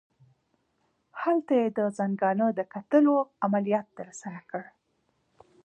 هلته یې د زنګانه د کتلولو عملیات ترسره کړل.